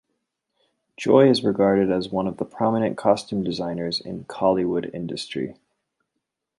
Joy is regarded as one of the prominent costume designers in Kollywood industry.